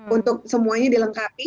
untuk semuanya dilengkapi